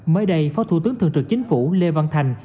mới đây phó thủ tướng thường trực chính phủ lê văn thành